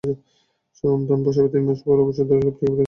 সন্তান প্রসবের তিন মাস পর্যন্ত অবশ্যই দড়িলাফ থেকে বিরত থাকতে হবে।